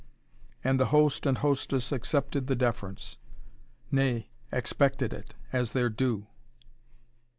And the host and hostess accepted the deference, nay, expected it, as their due.